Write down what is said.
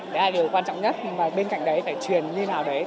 đó là điều quan trọng nhất mà bên cạnh đấy phải truyền như nào đấy